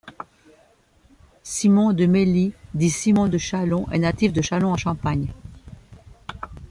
Simon de Mailhy dit Simon de Châlons est natif de Châlons-en-Champagne.